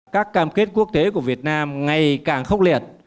các cam kết quốc tế của việt nam ngày càng khốc liệt